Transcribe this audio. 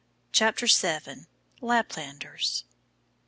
CHAPTER VII. LAPLANDERS.